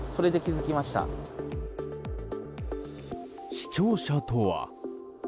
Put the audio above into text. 視聴者とは？